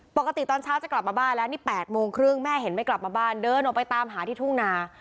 ปกติตอนเช้าจะกลับมาบ้านแล้วนี่๘โมงครึ่งแม่เห็นไม่กลับมาบ้านเดินออกไปตามหาที่ทุ่งนา